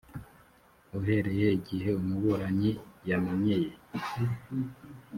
uhereye igihe umuburanyi yamenyeye